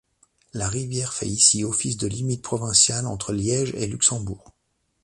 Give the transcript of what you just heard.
La rivière fait ici office de limite provinciale entre Liège et Luxembourg.